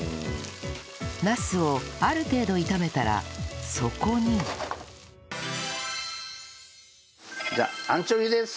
ナスをある程度炒めたらそこにじゃあアンチョビです。